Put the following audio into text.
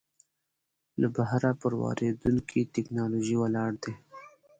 له بهره پر واردېدونکې ټکنالوژۍ ولاړ دی.